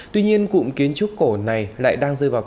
tuy nhiên cụm kiến trúc cổ này lại đang rơi vào